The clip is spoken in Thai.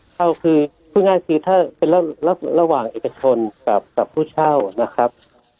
เข้าคือพูดง่ายคือถ้าเป็นระหว่างเอกชนกับผู้เช่านะครับ